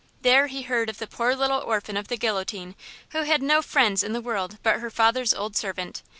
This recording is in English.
There he heard of the poor little orphan of the guillotine, who had no friend in the world but her father's old servant.